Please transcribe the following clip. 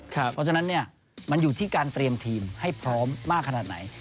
เพราะฉะนั้นมันอยู่ที่การเตรียมทีมให้พร้อมมากขนาดไหน